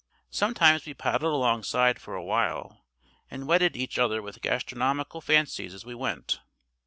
Sometimes we paddled alongside for a while and whetted each other with gastronomical fancies as we went.